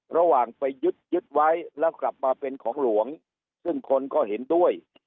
ระหว่างไปยึดยึดไว้แล้วกลับมาเป็นของหลวงซึ่งคนก็เห็นด้วย